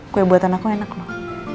kue buatan aku enak loh